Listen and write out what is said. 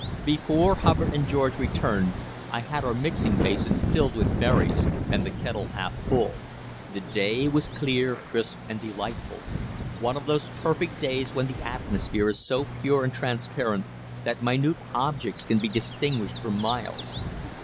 Before Hubbard and George returned, I had our mixing basin filled with berries, and the kettle half full. The day was clear, crisp and delightful one of those perfect days when the atmosphere is so pure and transparent that minute objects can be distinguished for miles.